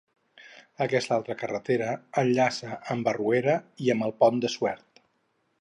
Aquesta altra carretera enllaça amb Barruera i amb el Pont de Suert.